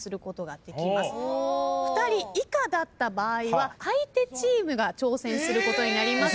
２人以下だった場合は相手チームが挑戦することになります。